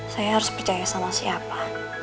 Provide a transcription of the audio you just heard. saya harus percaya sama siapa